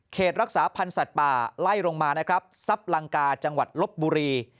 รักษาพันธ์สัตว์ป่าไล่ลงมานะครับซับลังกาจังหวัดลบบุรี